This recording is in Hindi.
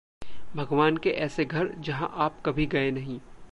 भगवान के ऐसे घर जहां आप कभी गए नहीं!